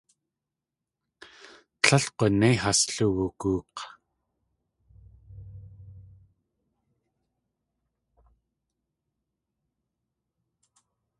Tlél g̲unéi has luwugook̲.